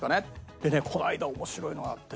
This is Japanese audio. でねこの間面白いのがあって。